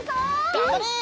がんばれ！